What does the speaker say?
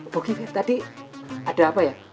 bukit tadi ada apa ya